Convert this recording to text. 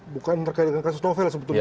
bukan terkait dengan kasus novel sebetulnya